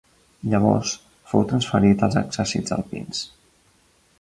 Llavors fou transferit als exèrcits alpins.